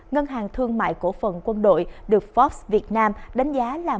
ngân hàng thương mại cổ phần quân đội được forbes việt nam đánh giá là